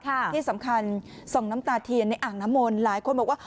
ที่สำคัญส่องน้ำตาเทียนในอ่างน้ำมนต์หลายคนบอกว่า